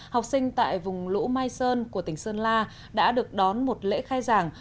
học sinh tại vùng lũ mai sơn của tỉnh sơn la đã được đón một lễ khai giảng